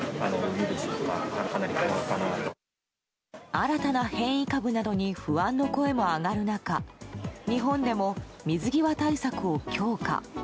新たな変異株などに不安の声も上がる中日本でも水際対策を強化。